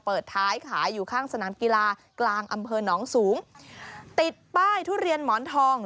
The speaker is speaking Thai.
เปิดท้ายขายอยู่ข้างสนามกีฬากลางอำเภอหนองสูงติดป้ายทุเรียนหมอนทอง